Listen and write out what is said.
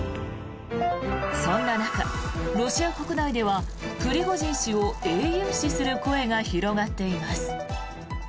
そんな中、ロシア国内ではプリゴジン氏を英雄視する声が広がっています。